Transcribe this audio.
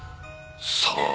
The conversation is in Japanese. さあ。